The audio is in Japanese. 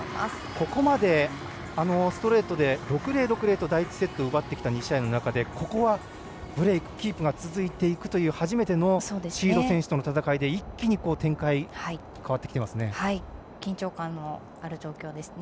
ここまでストレートで６−０、６−０と第１セットを奪ってきた２試合の中でここはブレークキープが続いていくという初めてのシード選手との戦いで一気に展開が変わってきていますね。